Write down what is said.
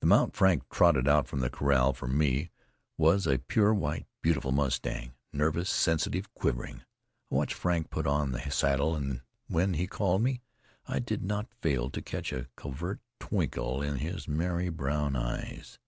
The mount Frank trotted out of the corral for me was a pure white, beautiful mustang, nervous, sensitive, quivering. I watched Frank put on the saddle, and when he called me I did not fail to catch a covert twinkle in his merry brown eyes.